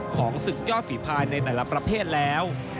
ศึกยอดฝีภายในแต่ละประเภทแล้ว